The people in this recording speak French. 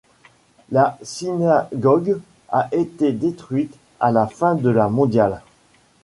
La synagogue a été détruite à la fin de la mondiale.